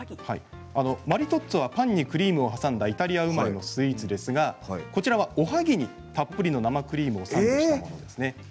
マリトッツォはパンにクリームを挟んだイタリア生まれのスイーツですが、こちらはおはぎにたっぷりの生クリームをサンドしたものです。